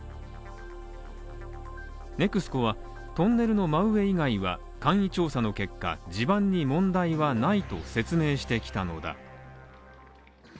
ＮＥＸＣＯはトンネルの真上以外は簡易調査の結果、地盤に問題はないと説明してきたのだ。